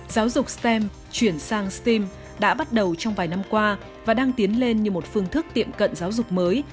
giáo dục stem chuyển sang stem đã bắt đầu trong vài năm qua và đang tiến lên như một phương thức tiệm cận giáo dục mới